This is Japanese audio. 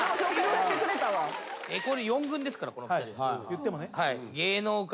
言ってもね。